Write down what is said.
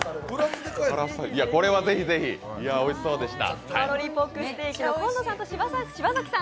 これはぜひぜひおいしそうでした。